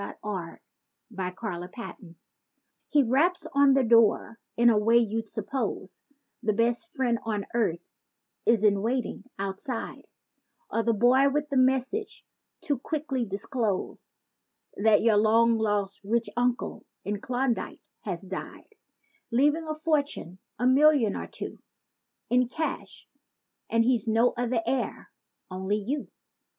49 THE COLLECTOR He raps on the door in a way you'd suppose The best friend on earth is in waiting outside; Or the boy with the message to quickly disclose That your long lost "rich uncle" in Klondike has died, Leaving a fortune—a million or two— In cash, and he's no other heir, only you.